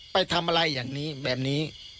ไปทำอะไรแบบนี้